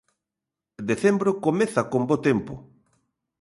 Decembro comeza con bo tempo.